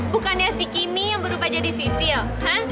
bukannya si kimi yang berubah jadi sisil kan